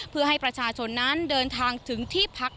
เพื่อให้ประชาชนนั้นเดินทางถึงที่พัก